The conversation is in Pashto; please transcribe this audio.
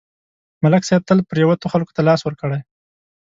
ملک صاحب تل پرېوتو خلکو ته لاس ورکړی